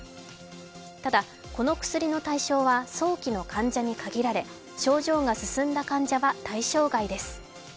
ただ、この薬の対象は早期の患者に限られ、症状が進んだ患者は対象外です。